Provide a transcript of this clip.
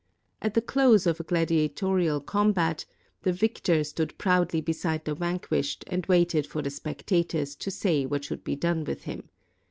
At the close of a gladiatorial combat, the victor stood proudly beside the van quished and waited for the spectators to say what should be done with him.